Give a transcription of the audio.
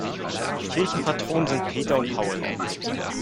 Die Kirchenpatronen sind „Peter und Paul“.